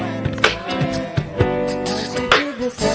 lhafesseh ya lhafesseh ya